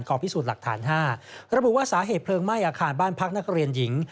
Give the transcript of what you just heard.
พิสูจน์หลักฐาน๕ระบุว่าสาเหตุเพลิงไหม้อาคารบ้านพักนักเรียนหญิง